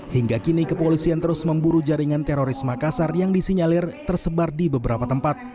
hingga kini kepolisian terus memburu jaringan teroris makassar yang disinyalir tersebar di beberapa tempat